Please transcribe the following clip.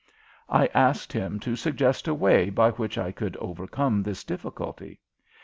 I asked him to suggest a way by which I could overcome this difficulty.